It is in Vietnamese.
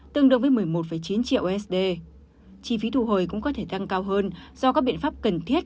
tương đương với một mươi một chín triệu usd chi phí thu hồi cũng có thể tăng cao hơn do các biện pháp cần thiết